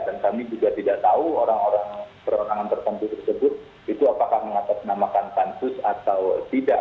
dan kami juga tidak tahu orang orang perorangan tertentu tersebut itu apakah mengatakan namakan pansus atau tidak